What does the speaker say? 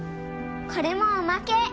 これもおまけ！